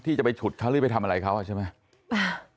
ที่จะไปฉุดเขาหรือไปทำอะไรเขาใช่ไหม